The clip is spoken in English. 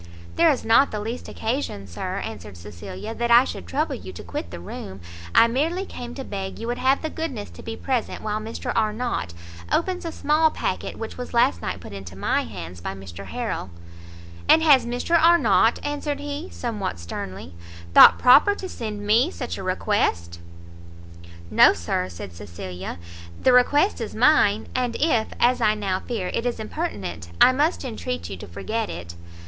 "There is not the least occasion, Sir," answered Cecilia, "that I should trouble you to quit the room I merely came to beg you would have the goodness to be present while Mr Arnott opens a small packet which was last night put into my hands by Mr Harrel." "And has Mr Arnott," answered he, somewhat sternly, "thought proper to send me such a request?" "No, Sir," said Cecilia, "the request is mine; and if, as I now fear, it is impertinent, I must entreat you to forget it."